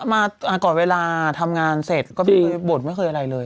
มาก่อนเวลาทำงานเสร็จก็ไม่เคยบ่นไม่เคยอะไรเลย